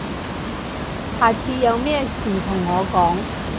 下次有咩事同我講